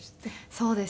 そうですね。